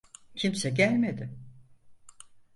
Kimse gelmedi.